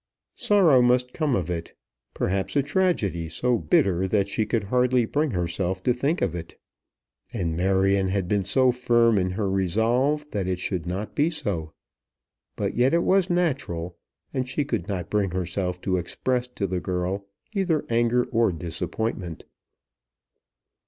Sorrow must come of it, perhaps a tragedy so bitter that she could hardly bring herself to think of it. And Marion had been so firm in her resolve that it should not be so. But yet it was natural, and she could not bring herself to express to the girl either anger or disappointment.